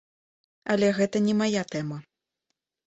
Але гэта не мая тэма.